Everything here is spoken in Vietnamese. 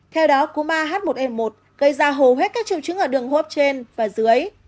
theo đó cúm ah một n một gây ra hầu hết các triều chứng ở đường hô hấp trên và dưới